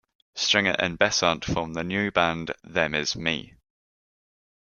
Stringer and Bessant formed a new band "Them Is Me".